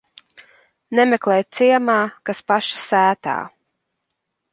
Nemeklē ciemā, kas paša sētā.